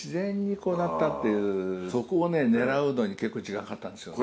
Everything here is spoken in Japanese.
そこを狙うのに結構時間かかったんですよね。